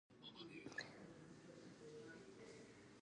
りょうりけんきゅうか